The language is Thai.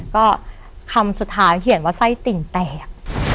ก็คำสุดท้ายเขียนว่าไส้ติ่งแตก